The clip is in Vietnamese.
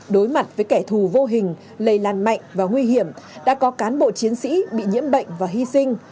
đối mặt với kẻ thù vô hình lây lan mạnh và nguy hiểm đã có cán bộ chiến sĩ bị nhiễm bệnh và hy sinh